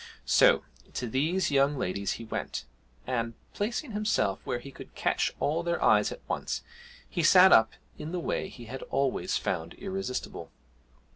So to these young ladies he went, and, placing himself where he could catch all their eyes at once, he sat up in the way he had always found irresistible.